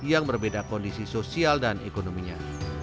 yang berbeda kondisi sosial dan ekonominya